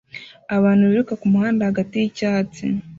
Abantu biruka kumuhanda hagati yicyatsi